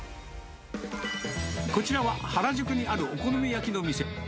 こちらは、原宿にあるお好み焼きの店。